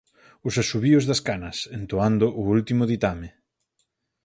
Os asubíos das canas, entoando o último ditame.